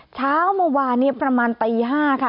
เช้าเมื่อวานนี้ประมาณตี๕ค่ะ